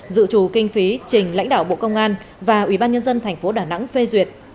dự trù kinh phí trình lãnh đạo bộ công an và ủy ban nhân dân thành phố đà nẵng phê duyệt